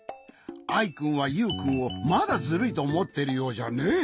アイくんはユウくんをまだズルいとおもっているようじゃねえ。